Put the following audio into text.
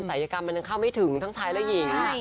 ัยกรรมมันยังเข้าไม่ถึงทั้งชายและหญิง